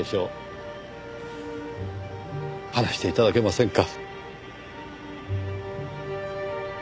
話して頂けませんか？